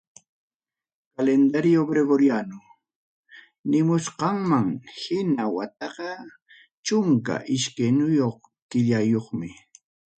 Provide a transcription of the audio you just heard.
Calendario Gregoriano nimusqanmam hina, wataqa chunka iskayniyuq killayuqmi.